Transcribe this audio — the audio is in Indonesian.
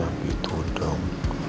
nah gitu dong